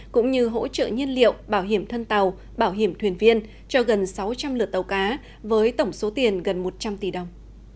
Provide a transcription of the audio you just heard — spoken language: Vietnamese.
cũng như hỗ trợ nhiên liệu bảo hiểm thân tàu bảo hiểm thuyền viên cho gần sáu trăm linh lượt tàu cá với tổng số tiền gần một trăm linh tỷ đồng